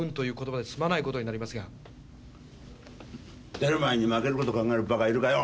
出る前に負ける事考えるバカいるかよ！